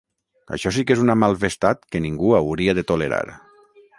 Això sí que és una malvestat que ningú hauria de tolerar.